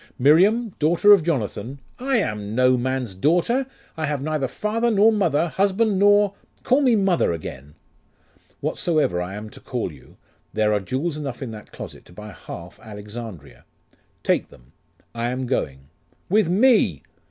Miriam, daughter of Jonathan ' 'I am no man's daughter! I have neither father nor mother, husband nor Call me mother again!' 'Whatsoever I am to call you, there are jewels enough in that closet to buy half Alexandria. Take them. I am going.' 'With me!